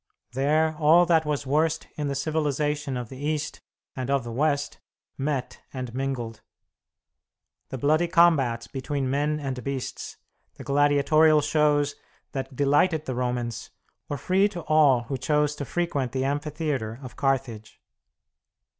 There all that was worst in the civilization of the East and of the West met and mingled. The bloody combats between men and beasts, the gladiatorial shows that delighted the Romans, were free to all who chose to frequent the amphitheatre of Carthage.